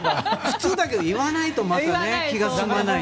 普通だけど言わないと気が済まない。